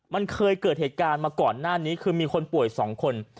มันเคยเกิดเหตุการณ์มาก่อนหน้านี้คือมีคนป่วย๒คน